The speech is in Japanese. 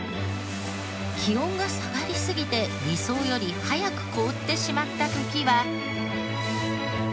気温が下がりすぎて理想より早く凍ってしまった時は。